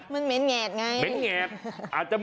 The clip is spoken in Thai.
เม้นเยดไง